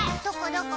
どこ？